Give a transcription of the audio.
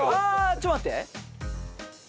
ちょっと待って。